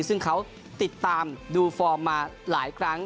ซึ่งเขาติดตามดูฟอร์มมาหลายครั้ง